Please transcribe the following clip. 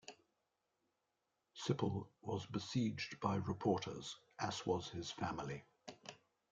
Sipple was besieged by reporters, as was his family.